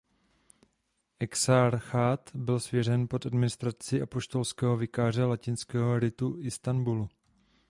Exarchát byl svěřen pod administraci apoštolského vikáře latinského ritu Istanbulu.